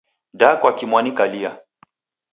Daa kwaki mwanikalia?